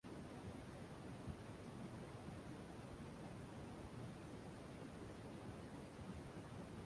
লঙ্গো এবং তার স্ত্রী তানিয়ার চার সন্তান রয়েছে।